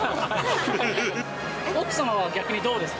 奥様は逆にどうですか？